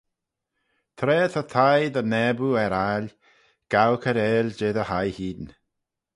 Tra ta thie dty naboo er aile, gow cairail jeh dty hie hene